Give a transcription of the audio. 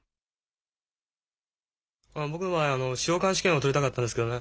僕の場合司法官試験を取りたかったんですけどね。